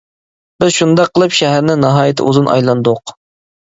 بىز شۇنداق قىلىپ شەھەرنى ناھايىتى ئۇزۇن ئايلاندۇق.